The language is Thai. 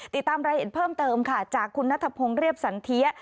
ติดตามรายเหตุเพิ่มเติมจากคุณณธพงษ์เรียบสันเทีย